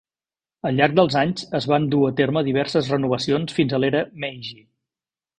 Al llarg dels anys es van dur a terme diverses renovacions fins a l'era Meiji.